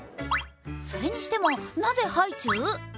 それにしても、なぜハイチュウ？